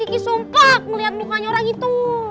tapi kiki sumpah ngeliat mukanya orang itu